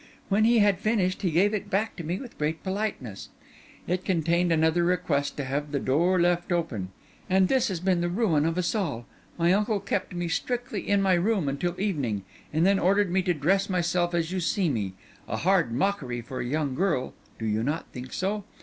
When he had finished, he gave it back to me with great politeness. It contained another request to have the door left open; and this has been the ruin of us all. My uncle kept me strictly in my room until evening, and then ordered me to dress myself as you see me—a hard mockery for a young girl, do you not think so?